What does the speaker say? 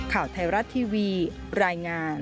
ข่าวไทยรัฐทีวีรายงาน